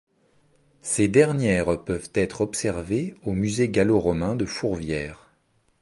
Ces dernières peuvent être observées au musée gallo-romain de Fourvière.